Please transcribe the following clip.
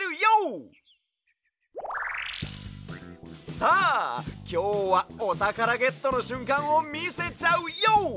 さあきょうはおたからゲットのしゅんかんをみせちゃうＹＯ！